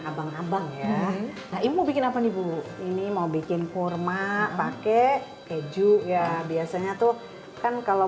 abang abang ya nah ibu bikin apa nih bu ini mau bikin kurma pakai keju ya biasanya tuh kan kalau